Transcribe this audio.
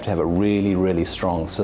untuk memastikan halal itu aman